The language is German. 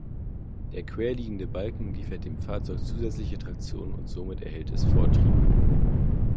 Der quer liegende Balken liefert dem Fahrzeug zusätzliche Traktion und somit erhält es Vortrieb.